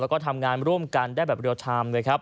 และทำงานร่วมกันได้แบบเรียวทาม